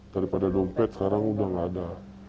daripada dompet sekarang udah nggak ada